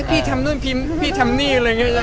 พี่ทำนู่นพิมพ์พี่ทำนี่อะไรอย่างนี้